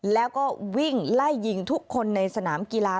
แล้วก็วิ่งไล่ยิงทุกคนในสนามกีฬา